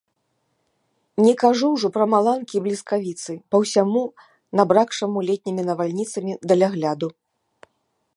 Не кажу ўжо пра маланкі і бліскавіцы па ўсяму набракшаму летнімі навальніцамі далягляду.